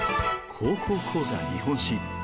「高校講座日本史」。